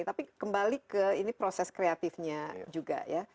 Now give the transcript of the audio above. tapi kembali ke ini proses kreatifnya juga ya